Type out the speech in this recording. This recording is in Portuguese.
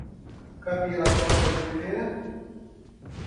Camila Costa de Oliveira